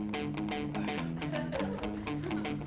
gak ada yang cakap